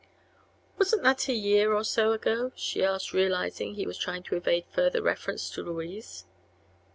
"Wasn't that a year or so ago?" she asked, realizing he was trying to evade further reference to Louise.